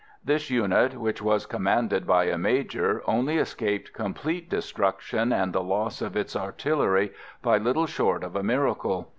This unit, which was commanded by a major, only escaped complete destruction and the loss of its artillery by little short of a miracle.